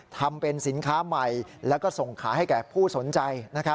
ทำเป็นสินค้าใหม่แล้วก็ส่งขายให้แก่ผู้สนใจ